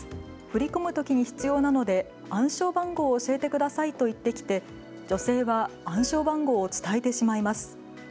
振り込むときに必要なので暗証番号を教えてくださいと言ってきて、女性は暗証番号を伝えてしまいます。